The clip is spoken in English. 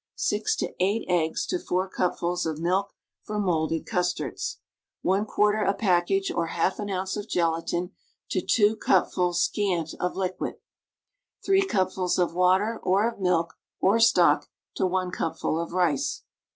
G to S eggs to 1 cupfids of milk for molded custards. '4 a package, or half an luincc of gelatine to '2 cupfuls (scant) of liquid. 3 cupfuls of ;\'atcr, or of milk, or stock, to 1 cupful of rice.